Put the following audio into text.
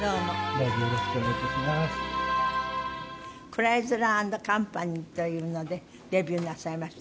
クライズラー＆カンパニーというのでデビューなさいました。